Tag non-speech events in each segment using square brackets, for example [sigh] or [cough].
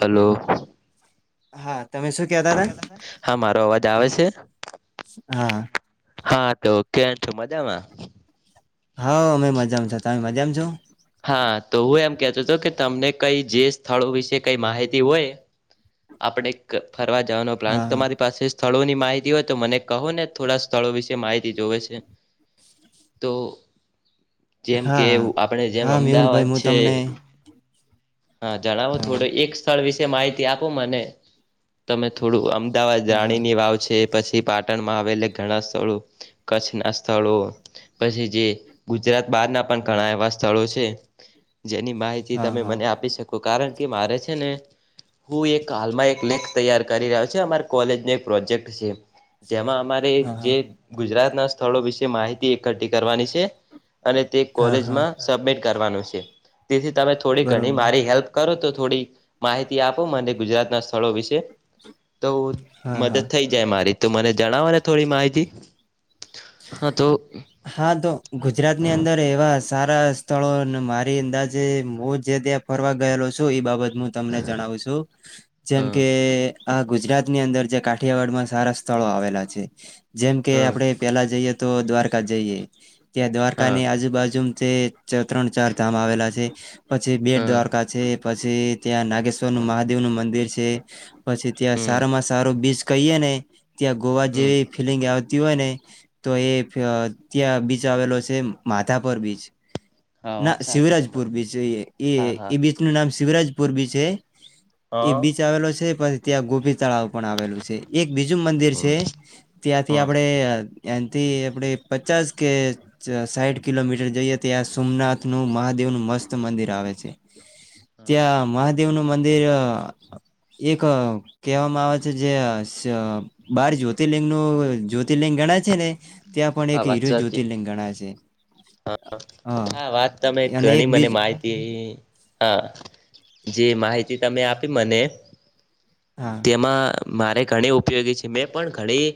Hello. હા તમે શું કેતા હતા હા, મારો અવાજ આવે છે. હા. હા, તો ક્યાં છો, મજામા હા, અમે મજામા છો, તમે મજામાં છો. હા, તો હુ એમ કેતો હતો, કે તમને કઈ જે સ્થળો વિશે કઈ માહિતી હોય. આપણે ફરવા જવાનો, પ્લાન હા તમારી પાસે સ્થળોની માહિતી હોય, તો મને કહો ને થોડા સ્થળો વિશે માહિતી જોવે છે. તો જેમ કે હા આપડે જેમ, હા અમદાવાદ મેહુલભાઈ હું છે. તમને હા, જણાવો થોડો હા એક સ્થળ વિશે માહિતી આપો મને, તમે થોડું આમ અમદાવાદ હા હા રાણી ની વાવ છે. પછી, પાટણમાં આવેલા ઘણા સ્થળો કચ્છના સ્થળો પછી, જે ગુજ ગુજરાત બહારના પણ ઘણા એવા સ્થળો છે. હ જેની માહિતી, તમે મને આપી શકો કારણ કે મારે છેને હુ એક હાલમાં એક લેક તૈયાર કરી રહ્યો છે, અમાર કોલેજ ન એક પ્રોજેક્ટ છે. જેમા અમારે હા જે ગુજરાતના સ્થળો, વિશે માહિતી એકઠી કરવાની છે. અને તે હા હા કોલેજમા સબમિટ કરવાનું છે, તેથી તમે થોડી ઘણી બરોબર મારી હેલ્પ, કરો તો થોડી માહિતી આપો મને ગુજરાતના, સ્થળો વિશે તો હા હા મદદ થઈ જાય, મારી તો મને જણાવો ને થોડી માહિતી હા તો હા, તો ગુજરાતની અંદર એવા સારા સ્થળોને મારી અંદાજે હું, જે ત્યાં ફરવા ગયેલો છુ. એ બાબત હુ તમને જણાવું છુ, જેમ હા કે આ ગુજરાતની અંદર, જે કાઠિયાવાડમા સારા સ્થળો આવેલા છે, જેમ કે હા આપડે જએ, તો દ્વારકા જઈએ ત્યાં દ્વારકા હા ની આજુબાજુ જે ત્રણ ચાર ધામ આવેલા છે, પછી બેટ હા દ્વારકા છે. પછી, ત્યાં નાગેશ્વર નું મહાદેવ નું મંદિર છે, પછી ત્યાં હમ સારામાં સારું બીચ કહીયે ને ત્યા ગોવા હમ જેવી, ફીલિંગ આવતી હોય ને તો એ ત્યાં બીચ આવેલો છે, માથાપર બીચ હા ના વાત સાચી શિવરાજપુર તમારી બીચ, એ એ હા હા એ બીચ નું નામ શિવરાજપુર બીચ છે. એ બીચ આવેલો છે, પછી ત્યાં ગોપી તળાવ પણ આવેલું છે. એક બીજું મંદિર છે, ત્યાંથી હા આપડે એ્યાંથી આપડે પચાસ કે સાઈઠ કિલોમીટર જઈએ, ત્યા સોમનાથ નું મહાદેવ. નું મસ્ત મંદિર આવે છે, ત્યાં મહાદેવ નું મંદિર એક કેહેવામાં આવે છે, સ જે બાર જ્યોતિર્લિંગનુ જ્યોતિર્લિંગ, ગણ. છેને, ત્યાં પણ હા એક વાત હીરો સાચી જ્યોતિર્લિંગ ગણાય છે. હા, વાત તમે અને એક ઘણી મને બીજ માહિતી. હા, જે માહિતી, તમે આપી મને હા તેમાં મારે ઘણી ઉપયોગી છે, મેં પણ ઘણી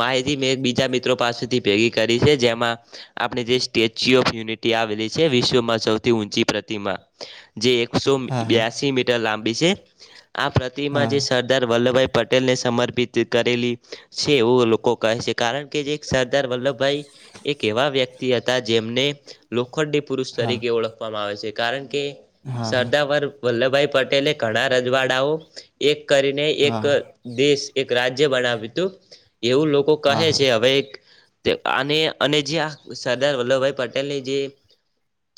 માહિતી મેં બીજા મિત્રો પાસેથી ભેગી કરી છે. તેમા, આપણે જે સ્ટેચ્યુ ઓફ યુનિટી આવેલી છે, વિશ્વમાં સૌથી ઊંચી પ્રતિમા જે એકસો હા હા બ્યાસી મીટર લાંબી છે, આ પ્રતિમા હા જે સરદાર વલ્લભભાઈ પટેલને સમર્પિત કરેલી છે, એવું લોકો કહે છે. કારણ કે જે સરદાર વલ્લભભાઈ એક, એવા વ્યક્તિ હ. જેમને લોખંડી પુરુષ હા તરીકે ઓળખવામાં આવે છે કારણ કે હા સરદર વ વલ્લભભાઈ પટેલે ઘણા રજવાડાઓ એક કરીને એક હા હા દેશ એક રાજ્ય બનાવ્યું હતું એવું લોકો હા કહે છે હા હવે અને અને જે આ સરદાર વલ્લભભાઈ પટેલની જે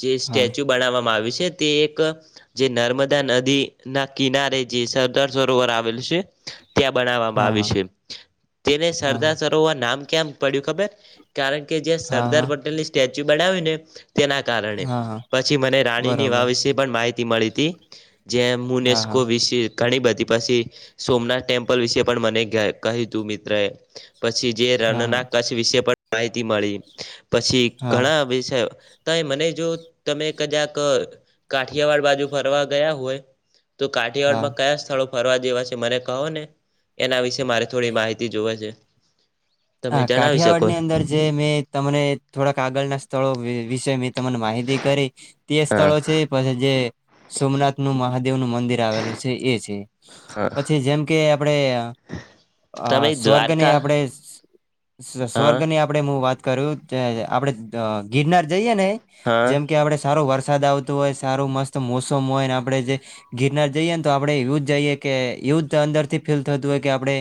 જે હા સ્ટેચ્યુ બનાવવામાં આવી્યું છે. તે એક જે નર્મદા નદી ના કિનારે જે સરદાર સરોવર આવેલું છે. ત્યાં બનાવવામાં હા આવ્યું છે હા તેને હા સરદાર સરોવર નામ કેમ પડ્યું ખબર કારણ કે જે હા સરદાર હા પટેલની સ્ટેચ્યુ બનાવી્યું ને તેના કારણે હા હા પછી મને રાણીની વા બરોબર વિશે પણ માહિતી મળી હતી. જેમ હા હા મુનેસ્કો વિસ ઘણી બધી પછી સોમનાથ ટેમ્પલ વિશે પણ મને કહ્યું તું મિત્ર એ પછી જે હા રણના હા કચ્છ વિશે પણ માહિતી મળી પછી હા ઘણા વિષ તોય મને જો તમે કદાક કાઠિયાવાડ બાજુ ફરવા ગયા હોય તો હા કાઠિયાવાડમાં કયા સ્થળો ફરવા જેવા છે મને કહો ને એના વિષે મારે થોડી માહિતી જોવે છે. તમે હા જણાવી શકો કાઠિયાવાડની અંદર જે મેં તમને થોડાક આગળના સ્થળો વિષે તને માહિતી કરી તે હા સ્થળો છે પછી જે સોમનાથ નું મહાદેવનું મંદિર આવેલું છે એ છે. પછી જેમ કે આપણે આ તમે સ્વર્ગને દ્વારકા આપણે હા સ્વર્ગની આપણે હું વાત કરું, આપડે ગિરનાર જઈએ ને હા જેમ કે આપણે સારો વરસાદ આવતો હોય, સારું મસ્ત મોસમ હોય આપણે જે ગિરનાર જઈએ ને તો આપણે એવું જઈએ કે કે એવું જ અંદર થી ફીલ થતું હોય કે આપણે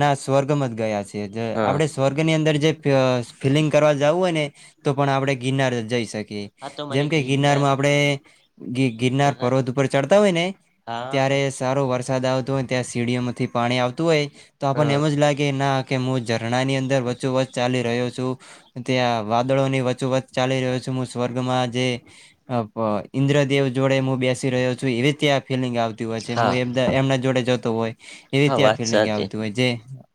ના સ્વર્ગ માં જ ગયા છી. હા આપણે સ્વર્ગ ની અંદર જે ફીલિંગ કરવા જાવું હોય ને તો પણ આપડે ગિરનાર જઈ શકીએ. હા તો મને જેમ કે ગિરનાર ગિરનારમાં આપડે ગિરનાર પર્વત ઉપર ચડતા હોય ને હા ત્યારે સારો વરસાદ આવતો હોય ત્યાં સીડીઓમાંથી પાણી આવતું હોય તો આપણને હા એમ જ લાગે ના કે હું ઝરણા ની અંદર વચો વચ ચાલી રહ્યો છું, ત્યાં વાદળો ની વચો‌ વચ ચાલી રહ્યો છું. સ્વર્ગમાં જે ઈન્દ્રદેવ જોડે હું બેસી રહ્યો છું, એવી ત્યાં ફિલિંગ આવતી હોય છે હા એમના જોડે જતો હોય એવી હા ત્યાં વાત ફિલિંગ સાચી આવતી હોય જે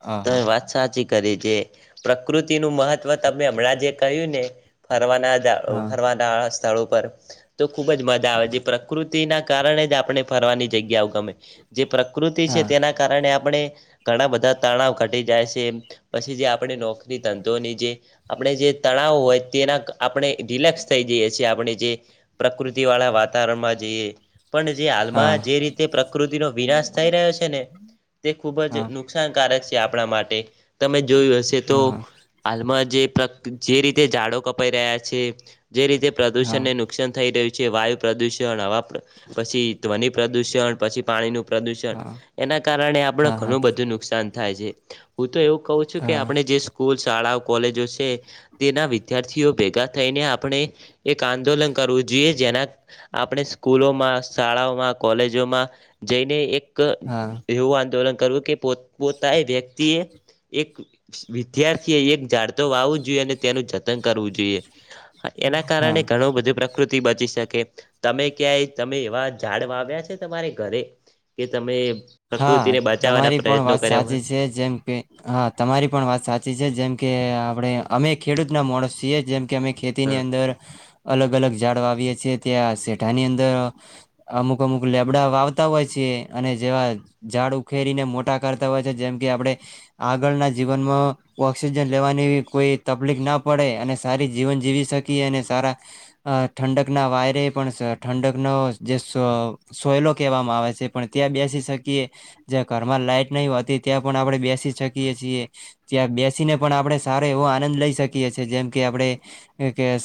હા તમે હા સાચી કરી તે પ્રકૃતિ નું મહત્વ તમે હમણાં જે કહ્યું ને હરવાના, હા ફરવાના સ્થળો પર તો ખુબ જ મજા આવે છે, પ્રકૃતિના કારણે જ આપણે ફરવાની જગ્યાઓ ગમે જે પ્રકૃતિ છે હા તેના કારણે આપણે ઘણા બધા તણાવ ઘટી જાય છે, પછી જે આપણે નોકરી ધંધો ની જે આપણે જે તણાવ હોય તે આપણે રિલેક્સ થઈ જઈએ છીએ આપણે જે પ્રકૃતિ વાળા વાતાવરણમાં જઈએ પણ જે હા હાલમાં જે રીતે પ્રકૃતિનો વિનાશ થઈ રહ્યો છે ને તે ખૂબ જ હા નુકસાન [unintelligible] આપણા માટે તમે જોયું હશે તો હા હા હાલમાં જમા જે જે રીતે ઝાડો કપાઈ રહ્યા છે, જે રીતે હા પ્રદુષણને નુકસાન થઈ રહ્યું છે. છે વાયુ પ્રદુષણ, હવા પછી, ધ્વનિ પ્રદૂષણ, પછી પાણીનું પ્રદુષણ એના કારણે આપણે હા હા ઘણું બધું નુકસાન થાય છે, હું તો એવું કહું છું કે હા આપણે જે સ્કૂલ શાળાઓ, કોલેજો છે તેના વિદ્યાર્થીઓ ભેગા થઈને આપણે એક આંદોલન કરવું જે જેના આપણે સ્કૂલોમાં, શાળાઓમાં, કોલેજોમાં જઈને એક હા એવું આંદોલન કરવું કે પોતાએ વ્યક્તિએ એક વિદ્યાર્થી એ એક જઝતો વાવું જોઈએ અને તેનું જતન કરવું જોઈએ. એના હા કારણે ઘણું બધું પ્રકૃતિ બચી શકે, તમે ક્યાંય તમે એવા ઝાડ વાવ્યા છે તમારે ઘરે કે તમે હા પ્રકૃતિને બચાવવાના તમારી પણ પ્રયત્ન વાત સાચી છે જેમ કે હા તમારી પણ વાત સાચી છે જેમ કે ને આપણે અમે ખેડૂત ના માણસ છીએ જેમ કે અમે ખેતીની હા અંદર અલગ અલગ ઝાડ વાવીએ છીએ ત્યાં સેઠા ની અંદર અમુક અમુક લેબડા વાવતા હોય છે. કે અને જેવા ઝાડ ઉખેરીને મોટા કરતા હોય છે જેમ કે આપડે આગળના જીવનમાં ઓક્સિજન લેવા ની કોઈ તકલીફ ના પડે અને સારી જીવન જીવી શકયે અને સારા ઠંડક ના વાયરે પણ ઠંડકનો જે સોય સોયલો કહેવામાં આવે છે પણ ત્યાં બેસી શક શકયે. જ્યાં ઘર માં લાઈટ નહી હોતી ત્યાં પણ આપડે બેસી શકીએ છીએ ત્યાં બેસીને પણ આપ આપણે સારો એવો આનંદ લઈ શકીએ છિએ જેમ કે આપડે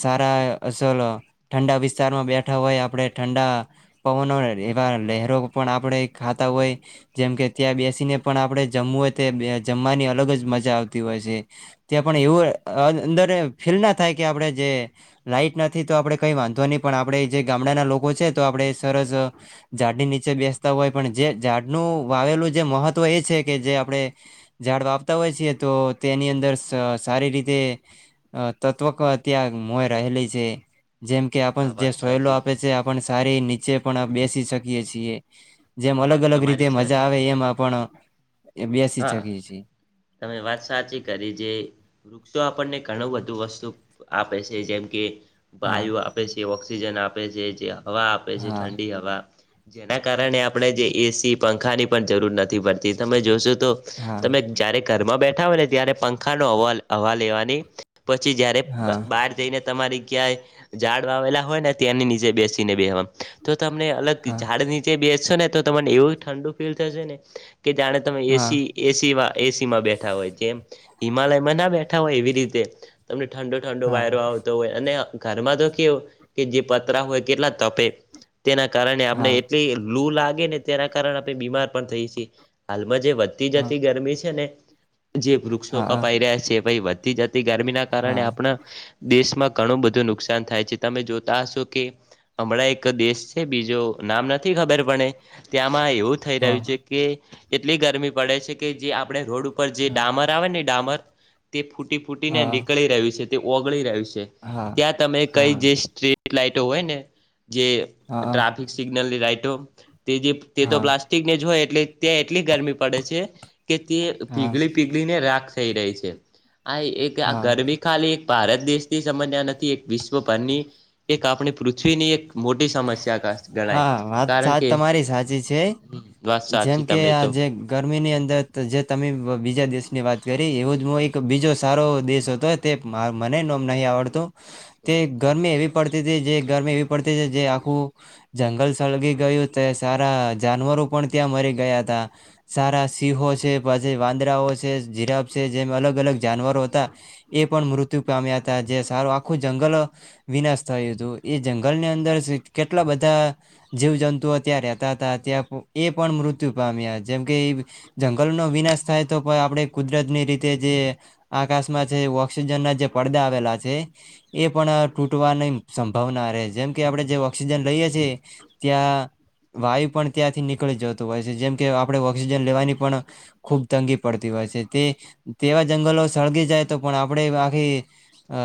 સારા સોલો ઠંડા વિસ્તારમાં બેઠા હોય આપણે ઠંડા પવનો એવા લહેરો પણ આપણેે ખા ખાતા હોય જેમ કે ત્યાં બેસીને પણ આપણે જમવું હોય જમવાની અલગ જ મજા આવતી હોય છે. ત્યા પણ એવું અંદર ફીલ ના થાય કે આપડે જે લાઈટ નથી તો આપણે કઈ વાંધો નહી પણ આપણે જે ગામડાના લોકો છે તો આપણે સરસ ઝાડ ની નીચે બેસતા હોય. પણ જે ઝાડનું વાવેલું જે મહત્વ એ છે કે જે આપણે ઝાડ વાવતા હોય છીએ તો તેની અંદર સ સારી રીતે અ તત્વક અત્યાં મોય રહેલી છે. જેમ કે આપણ હા જે વાત સોયલો સાચી આપે છે આપણ સારી નીચે પણ બેસી શકીએ છીએ. જેમ હા અલગ વાત અલગ રીતે તમારી મજા સાચી આવે એમ આપણ બેસી હા શકીએ છીએ તમે વાત સાચી કરી જે વૃક્ષો આપણને ઘણું બધું વસ્તુ આપે છે જેમ કે હા વાાયુ આપે છે ઓક્સિજન આપે છે, જે હવા આપે છે હા ઠંડી હવા જેના કારણે આપણે જે એસી, પંખા ની પણ જરૂર નથી પડતી તમે જોશો તો હા તમે જયારે ઘરમાં બેઠા હોય ને ત્યારે પંખા નો હવ હવા લેવાની પછી જયારે હા બહાર જઈને તમારી ક્યાય ઝાડ વાવેલા હોય ને ત્યાંની નીચે બેસીને બેવા તમને અલગ હા ઝાડ નીચે બેસશો ને તો તમને એવું ઠંડુ ફીલ થશે ને કે જાણે તમે એસી હા ઈ એસી માં એસી માં બેઠા હોય જેમ હિમાલયમાં ના બેઠા હોય એવી રીતે તમને ઠંડો ઠંડો હા વાયરો આવતો હોય અને ઘરમાં તો કેવું કે જે પતરા હોય કેટલા તપે તેના કારણે આપને હા એટલી લૂ લાગે ને તેના કારણે આપણે બીમાર પણ થઈ જીએ હાલમાં જે વધતી હા જતી ગરમી છે ને જે વૃક્ષો હા કપાઈ રહ્યા છે ભઈ વધતી જતી ગરમીના કારણે હા આપણા દેશમાં ઘણું બધું નુકસાન થાય છે તમે જોતા હશો કે હમણાં એક દેશ છે બીજો નામ નથી ખબર પણ ત્યાં માં એવું થઈ રહ્યું છે કે એટલી ગરમી પડે છે કે જે આપડે રોડ માં ઉપર જે હા ડામર આવે ને ડામર તે ફૂટી ફૂટીને હા નીકળી રહ્યું છે તે ઓગળી રહ્યું છે. હા ત્યાં તમે કઈ હા જે સ્ટ્રીટ લાઈટો હોય ને જે હા ટ્રાફિક સિગ્નલ ની લાઈટો તે જે તે તો હા પ્લાસ્ટિક ની જ હોય. એટલે ત્યાં એટલી ગરમી પડે છે કે તે હા પીગળી પીગળીને રાખ થઈ રહી છે. આ એક આ હા ગરમી ખાલી ભારત દેશની સમસ્યા નથી એક વિશ્વભરની એક આપણી પૃથ્વીની એક મોટી સમસ્યા ગણાય હા વાત કારણ સાચ કે તમારી સાચી છે હમમ વાત સાચી તમે તો ગરમી ની અંદર જે તમે બીજા દેશ ની વાત કરી એવો જ હું એક બીજો સારો દેશ હતો તે મને નોમ નહીં આવડતું તે ગરમી એવી પડતી જે ગરમે એવી પડતી જે આખું જંગલ સળગી ગયું તે સારા જાનવરો પણ ત્યાં મરી ગયા હતા. સારા સિહો છે, પછી વાંદરાઓ છે, જિરાફ છે જેમ અલગ અલગ જાનવરો હતા એ પણ મૃત્યુ પામ્યા હતા જે સારું આખું જંગલ વિનાશ થયું હતું. એ જંગલની અંદર કેટલા બધા જીવ જંતુઓ ત્યાં રહેતા હતા ત્યાં એ પણ મૃત્યુ પામ્યા જેમ કે જંગલ નો વિનાશ થાય તો આપણે કુદરતની રીતે જે આકાશમાં છે એના જે પડદા આવેલા છે એ પણ તૂટવાની સંભાવના રહે જેમ કે આપડે જે ઓક્સિજન લઈએ છે ત્યાં. વાયુ પણ ત્યાંથી નીકળી જતું હોય છે જેમ કે આપડે ઓક્સિજન લેવાની પણ ખુબ તંગી પડતી હોય હોય છે તે તેવા જંગલો સળગી જાય તો પણ આપણેે આખી અ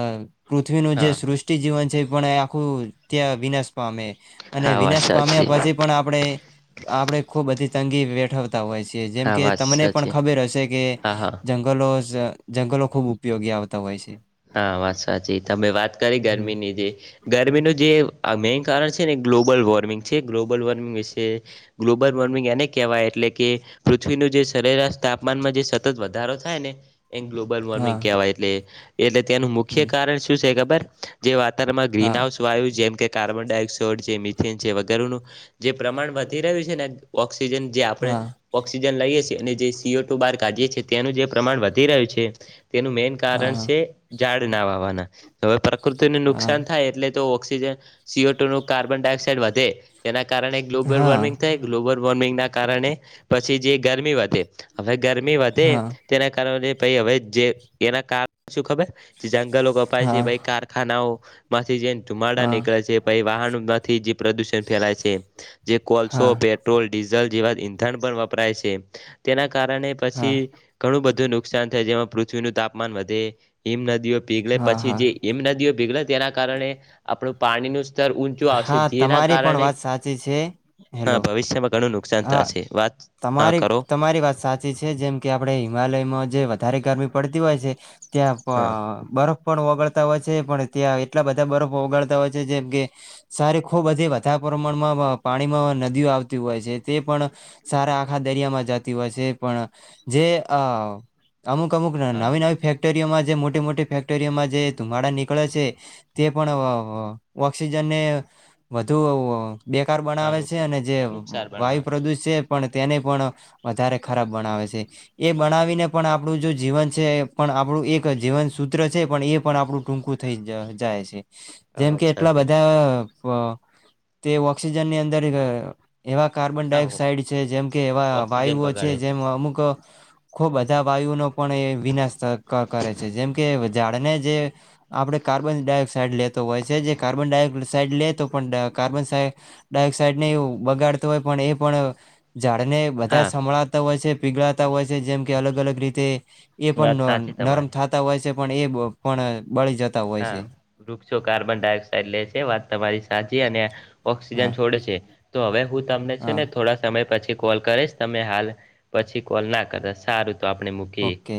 પૃથ્વીનું જે હા સૃષ્ટિ જીવન છે એ પણ આખું ત્યા વિનાશ પામે અને હા વાત વિનાશ પામ્યા સાચી પછી પણ આપણે આપડે ખુબ બધી તંગી વેઠ તા હોય છે જેમ હા કે વાત તમને પણ સાચી ખબર હશે કે હા હા જંગલો જ જંગલો ખૂબ ઉપયોગી આવતા હોય છે. હા વાત વાચી તમે વાત કરી હમ ગરમીની જે ગરમીનું જે આ મેઈન કારણ છે ને ગ્લોબલ વોર્મિંગ છે ગ્લોબલ વોર્મિંગ વિશે ગ્લોબલ વોર્મિંગ એને કહેવાય એ એટલે કે પૃથ્વીનું જે સરેરાશ તાપમાનમાં જે સતત વધારો થાય ને એ ગ્લોબલ હા વોર્મિંગ કેહેવાય તે એટલે તેનું મુખ્ય હમ કારણ શું છે ખબર જે વાત [unintelligible] ગ્રીન હા હાઉસ વાયું જેમ કે કાર્બન ડાયોક્સોડ જે મિથેન જે વગેરેનું જે પ્રમાણ વધી રહ્યું છે ને ઓ ઓક્સિજન જે આપણે હા ઓક્સિજન લઈએ છીએ એને જે સી ઓ ટુ બહાર કાઢીએ છીએ તેનું જે પ્રમાણ વધી રહ્યું છે તેનું મેન કારણ હા છે. ઝાડ ના વાવાના હવે પ્રકૃતિને હા નુકસાન થાય એટલે તો તે જે સી ઓ ટુ નું કાર્બન ડાયોક્સાઇડ વધે તેના કારણે ગ્લોબલ હા વોર્મિંગ થાય ગ્લોબલ વોમિંગ ના કારણે પછી જે ગરમી વધે હવે ગરમી વધે હા તેના કારણે પાઇ હવે જે એના કારણે શું ખબર જે જંગલો કપાય છે હા ભાઈ કારખાનાઓ માંથી જે ધુમાડા હા નીકળે છે પાઇ વાહનો માંથી જે પ્રદુષણ ફેલાય છે. જે કોલસો હા પેટ્રોલ ડીઝલ જેવા ઈંધણ પણ વપરાય છે તેના કારણે હા પછી ઘણું બધું નુકસાન થાય જેમાં પૃથ્વીનું તાપમાન વધે હિમ નદીઓ પીગળે હા પછી હા જે હિમ નદીઓ પીગળે તેના કારણે આપણું પાણીનું સ્ત ચાર ઊંચો આવશે હા જેના તમારી પણ કારણે વાત સાચી છે હા હેલો ભવિષ્યમાં ઘણું નું હા તમારી તમારી વાત સાચી છે જેમ કે આપડણે હિમાલયમાં જે ધારે ગરમી પડતી હોય છે ત્યાં બા હા બરફ પણ વગળ તા હોય છે પણ ત્યાં એટલા બધા બરફો ઓગાડતા હોય છે જેમ કે સારી ખૂબધી વધારે પ્રમાણમાં માં પાણીમાં નદીઓ આવતી હોય છે. તે પણ સારા આખા દરિયામાં જતી હોય છે એ પણ જે આ અમુક અમુક હા નવી નવી ફેક્ટરીઓમાં જે મોટી મોટી ફેક્ટરીઓમાં જે ધુમાડા નીકળે છે તે પણ ઓ ઓક્સિજનને વધુ બેકાર હા બનાવે છે નુકસાન અને જે નુકસાન બનાવે વાયુ પ્રદુષ પણ તેને પણ વધારે ખરાબ બનાવે છે એ હા બનાવીને પણ આપ આપણું જો જીવન છે એ પણ આપણું એક જીવન સૂત્ર છે પણ એ પણ આપણું ટૂંકું થઈ જ જાય છે. આ જેમ વાત કે એટલા સાચી બધા વ તે ઓક્સિજન ની અંદર એવા કાર્બન હા ડાયોક્સાઇડ છે જેમ કે એવા ઓક્સિજન વાયુઓ છે બગાડે જેમ અમુક ખો બધા વાયુનો પણ એ વિનાશ ક કરે છે જેમ કે ઝાડને જે આપણેે કા કાર્બન ડાયોક્સાઇડ લેતો હોય છે જે કાર્બન ડાયોક્સાઇડ લેતો પણ ડા કાર્બન સા ડાયોક્સાઇડ ને તું બગાડતો હોય પણ એ પણ ઝાડને બધા હા સંભળાતા હોય છે પીગળાતા હોય છે જેમ કે અલગ અલગ રીતે એ પણ વાત ન સાચી નરમ તમારી થતા હોય છે પણ એ પણ બળી જતા હોય છે હા વૃક્ષો કાર્બન ડાયોક્સાઇડ લે છે વાત તમારી સાચી અને હા ઓક્સિજન છોડે છે તો હવે હું તમને છે હા ને થોડા સમય પછી કોલ કરીશ તમે હાલ પછી કોલ ના કર સારું તો આપણે મૂકીએ. ઓકે